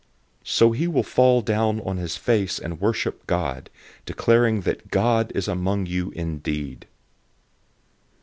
So he will fall down on his face and worship God, declaring that God is among you indeed.